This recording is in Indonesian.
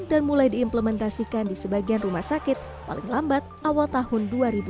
dan mulai diimplementasikan di sebagian rumah sakit paling lambat awal tahun dua ribu dua puluh tiga